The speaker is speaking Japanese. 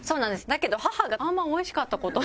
だけど母があんまりおいしかった事がない。